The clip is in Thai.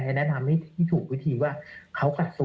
ให้แนะนำให้ที่ถูกวิธีว่าเขาก